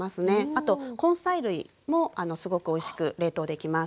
あと根菜類もすごくおいしく冷凍できます。